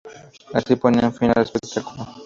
Así se ponía fin al espectáculo.